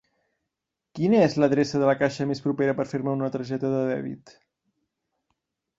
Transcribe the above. Quina és l'adreça de la caixa més propera per fer-me una targeta de dèbit?